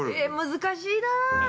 ◆難しいな。